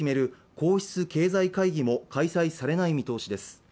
皇室経済会議も開催されない見通しです。